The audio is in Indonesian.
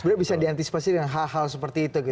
sebenarnya bisa diantisipasi dengan hal hal seperti itu